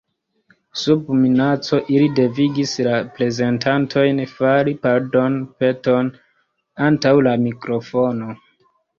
Sub minaco ili devigis la prezentantojn fari pardonpeton antaŭ la mikrofono.